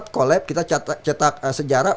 collab kita cetak sejarah